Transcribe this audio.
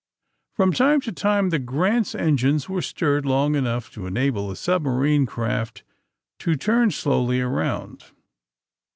From time to time the "Grant's" engines were stirred long enough to enable the subma rine craft to turn slowly around.